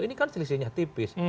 ini kan selisihnya tipis